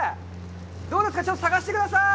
どうですか、ちょっと探してください！